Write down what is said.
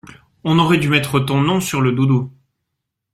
On aurait du mettre ton nom sur le doudou.